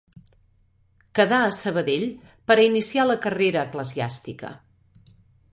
Quedà a Sabadell per a iniciar la carrera eclesiàstica.